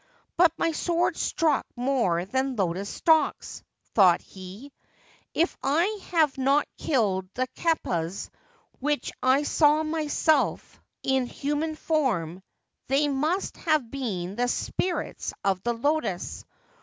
' But my sword struck more than lotus stalks/ thought he. ' If I have not killed the kappas which I saw myself in human form, they must have been the spirits of the lotus.